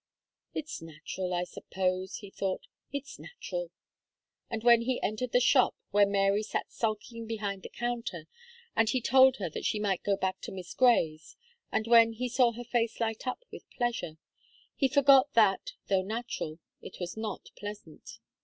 "It's natural, I suppose," he thought, "it's natural;" and when he entered the shop, where Mary sat sulking behind the counter, and he told her that she might go back to Miss Gray's, and when he saw her face light up with pleasure, he forgot that, though natural, it was not pleasant.